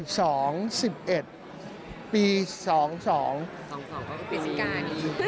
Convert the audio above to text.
๒๒ก็คือปี๑๙นี้